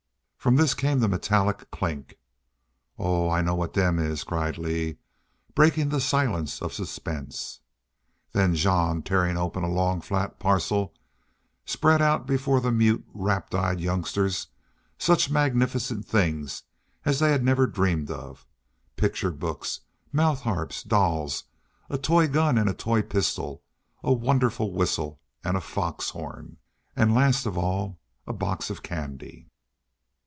From this came the metallic clink. "Oo, I know what dem is!" cried Lee, breaking the silence of suspense. Then Jean, tearing open a long flat parcel, spread before the mute, rapt eyed youngsters such magnificent things, as they had never dreamed of picture books, mouth harps, dolls, a toy gun and a toy pistol, a wonderful whistle and a fox horn, and last of all a box of candy.